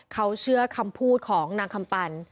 เขาเชื่อคำพูดของนางคำปัน